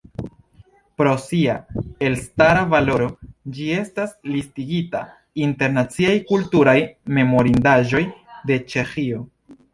Pro sia elstara valoro ĝis estas listigita inter Naciaj kulturaj memorindaĵoj de Ĉeĥio.